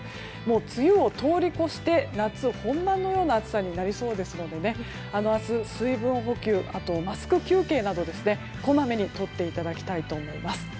梅雨を通り越して夏本番の暑さになりそうなので明日は水分補給、マスク休憩などこまめにとっていただきたいと思います。